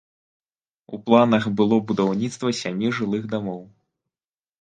У планах было будаўніцтва сямі жылых дамоў.